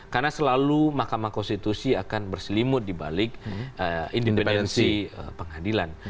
karena selalu makam konstitusi akan berselimut dibalik independensi pengadilan